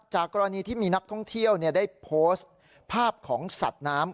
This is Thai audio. กรณีที่มีนักท่องเที่ยวได้โพสต์ภาพของสัตว์น้ำ